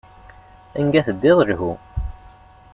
Anga teddiḍ, lhu.